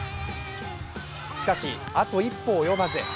しかし、あと一歩及ばず。